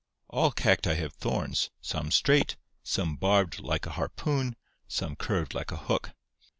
All cacti have thorns, some straight, some barbed like a harpoon, some curved like a hook.